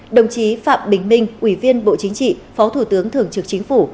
đồng chí phạm bình minh ủy viên bộ chính trị phó thủ tướng thường trực chính phủ